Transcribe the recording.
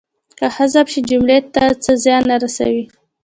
که حذف شي جملې ته څه زیان نه رسوي.